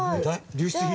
流出品？